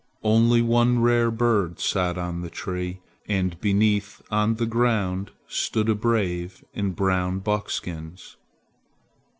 Only one rare bird sat on the tree, and beneath, on the ground, stood a brave in brown buckskins.